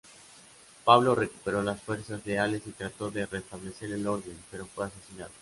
Pablo recuperó las fuerzas leales y trató de restablecer el orden, pero fue asesinado.